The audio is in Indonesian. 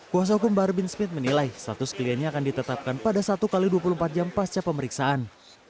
kuasa hukum bahar bin smith menilai status kliennya akan ditetapkan pada satu x dua puluh empat jam pasca pemeriksaan